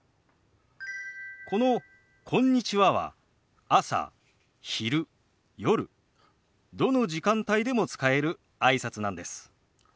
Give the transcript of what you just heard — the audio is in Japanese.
この「こんにちは」は朝昼夜どの時間帯でも使えるあいさつなんです。